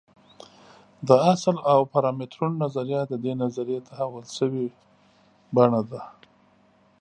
د اصل او پارامترونو نظریه د دې نظریې تحول شوې بڼه ده.